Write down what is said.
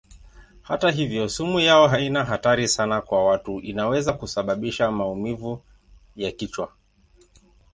Hata hivyo sumu yao haina hatari sana kwa watu; inaweza kusababisha maumivu ya kichwa.